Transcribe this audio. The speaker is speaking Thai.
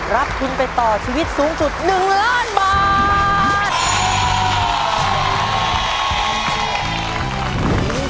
รับทุนไปต่อชีวิตสูงสุด๑ล้านบาท